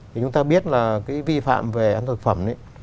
thì chúng ta biết là cái vi phạm về ăn thực phẩm